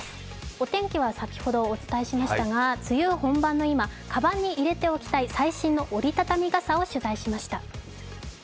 お天気は先ほどお伝えしましたが梅雨本番の今、かばんに入れておきたい最新の折り畳み傘を取材しました。